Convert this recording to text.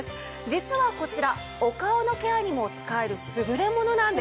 実はこちらお顔のケアにも使える優れものなんです。